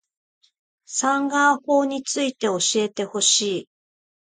サンガ―法について教えてほしい